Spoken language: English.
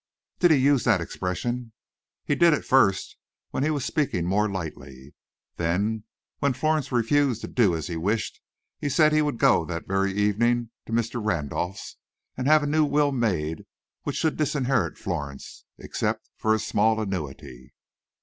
"Did he use that expression?" "He did at first, when he was speaking more lightly; then when Florence refused to do as he wished he said he would go that very evening to Mr. Randolph's and have a new will made which should disinherit Florence, except for a small annuity."